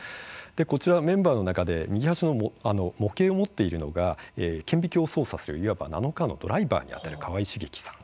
こちら、メンバーの中で右端の模型を持っているのが顕微鏡を操作するいわばナノカーのドライバーにあたる川井茂樹さん。